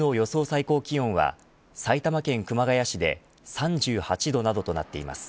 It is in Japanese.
最高気温は埼玉県熊谷市で３８度などとなっています。